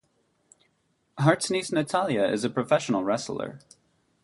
Hart's niece Natalya is a professional wrestler.